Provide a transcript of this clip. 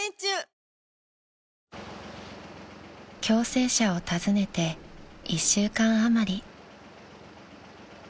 ［共生舎を訪ねて１週間余り］